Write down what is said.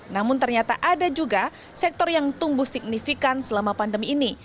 namun ternyata ada juga sektor yang tumbuh signifikan selama pandemi ini